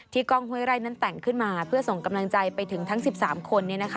กล้องห้วยไร่นั้นแต่งขึ้นมาเพื่อส่งกำลังใจไปถึงทั้ง๑๓คน